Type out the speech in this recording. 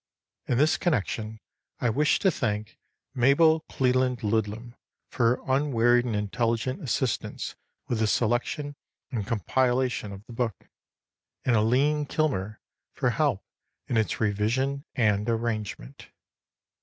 In this connection 1 wish to thank Mabel Qeland Lud lum for her unwearied and intelligent assistance with the selection and compilation of the book; and Aline Kilmer for help in its revision and arrangement.